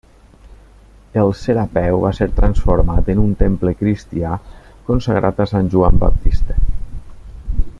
El Serapeu va ser transformat en un temple cristià, consagrat a Sant Joan Baptista.